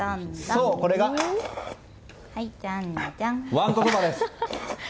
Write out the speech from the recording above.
これが、わんこそばです。